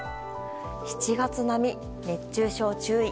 ７月並み、熱中症注意。